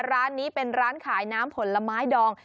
ร้านนี้เป็นร้านขายน้ำผลไม้ดอง